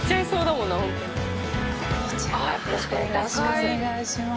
よろしくお願いします。